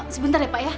sebentar ya pak